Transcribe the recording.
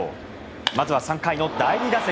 まずは３回の第２打席。